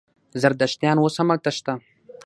زردشتیان اوس هم هلته شته.